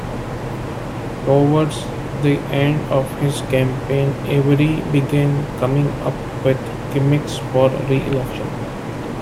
Towards the end of his campaign, Avery began coming up with gimmicks for reelection.